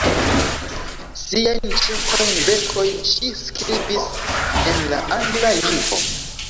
Siajn ĉefajn verkojn ŝi skribis en la angla lingvo.